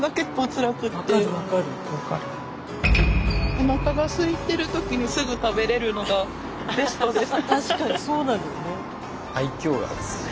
おなかがすいてる時にすぐ食べれるのがベストです。